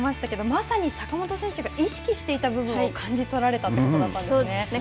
まさに坂本選手が意識していた部分を感じ取られたということだったんそうですね。